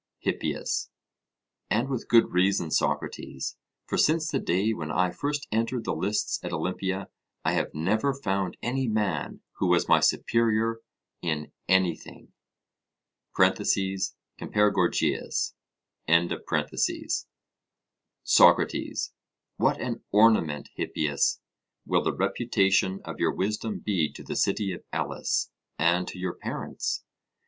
HIPPIAS: And with good reason, Socrates; for since the day when I first entered the lists at Olympia I have never found any man who was my superior in anything. (Compare Gorgias.) SOCRATES: What an ornament, Hippias, will the reputation of your wisdom be to the city of Elis and to your parents!